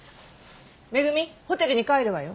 恵ホテルに帰るわよ。